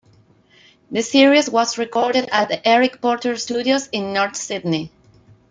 The series was recorded at the Eric Porter studios in North Sydney.